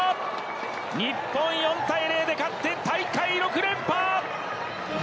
日本４対０で勝って大会６連覇！